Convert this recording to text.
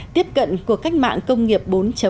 tiếp cận của cách mạng công nghiệp bốn